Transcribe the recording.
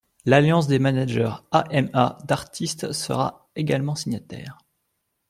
L’Alliance des managers – AMA – d’artistes sera également signataire.